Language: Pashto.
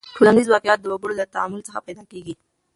ټولنیز واقعیت د وګړو له تعامل څخه پیدا کېږي.